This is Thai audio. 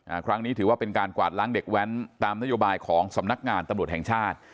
ครั้งนี้ถือว่าเป็นการกวาดล้างเด็กแว้นตามนโยบายของสำนักงานตำรวจแห่งชาติ